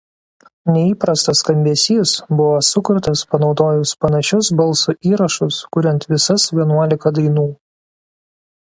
Neįprastas skambesys buvo sukurtas panaudojus panašius balso įrašus kuriant visas vienuolika dainų.